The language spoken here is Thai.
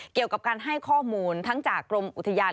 เกี่ยวกับการให้ข้อมูลทั้งจากกรมอุทยาน